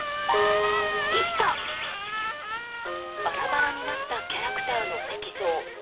バラバラになったキャラクターの石像。